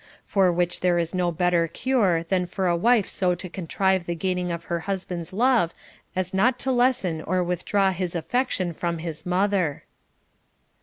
For which there is no better cure than for a wife so to contrive the gaining of her hus band's love as not to lessen or withdraw his affection from his mother.